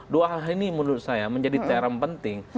dua hal ini menurut saya menjadi term penting